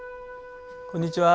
こんにちは。